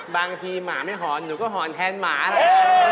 บางทีหมาไม่หอนหนูก็หอนแทนหมาแหละ